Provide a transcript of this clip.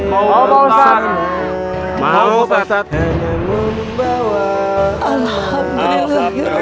mau pak ustadz